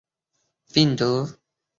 此病毒并不会感染人。